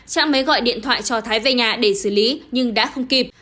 trang mới gọi điện thoại cho thái về nhà để xử lý nhưng đã không kịp